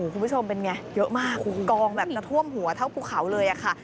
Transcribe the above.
คุณผู้ชมเป็นไงเยอะมากกองแบบจะท่วมหัวเท่าภูเขาเลยค่ะ